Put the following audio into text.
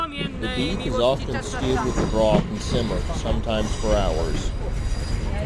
The beef is often stewed with the broth and simmered, sometimes for hours.